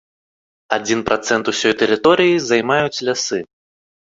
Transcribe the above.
Адзін працэнт усёй тэрыторыі займаюць лясы.